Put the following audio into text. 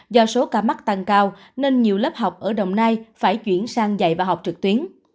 do số ca mắc tăng cao nên nhiều lớp học ở đồng nai phải chuyển sang dạy và học trực tuyến